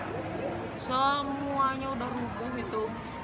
semuanya udah ruguh itu